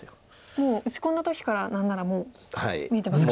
もう打ち込んだ時から何ならもう見えてますか。